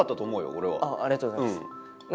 俺はありがとうございます